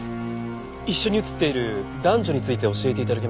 一緒に写っている男女について教えて頂けますか？